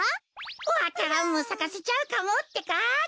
わか蘭もさかせちゃうかもってか。